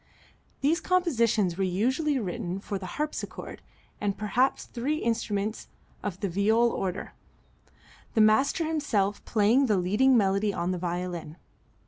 These compositions were usually written for the harpsichord and perhaps three instruments of the viol order, the master himself playing the leading melody on the violin.